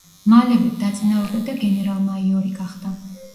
მალევე, დაწინაურდა და გენერალ-მაიორი გახდა.